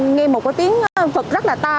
nghe một cái tiếng vật rất là ta